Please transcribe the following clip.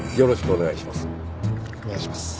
お願いします。